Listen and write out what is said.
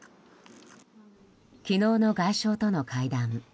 昨日の、外相との会談。